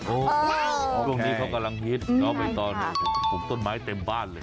โอ้วตรงนี้เขากำลังฮิตเอาไปต่อหนึ่งปลูกต้นไม้เต็มบ้านเลย